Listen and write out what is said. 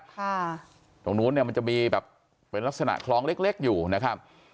ตรงนู้นเนี่ยมันจะมีแบบเป็นลักษณะคลองเล็กเล็กอยู่นะครับ